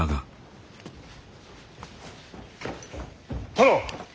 殿。